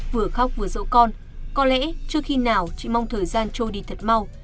vừa khóc vừa rỗ con có lẽ trước khi nào chị mong thời gian trôi đi thật mau